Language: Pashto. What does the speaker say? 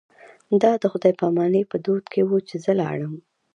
دا د خدای په امانۍ په دود و چې زه لاړم.